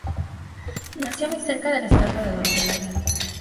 Nació muy cerca de la estatua de Don Pelayo.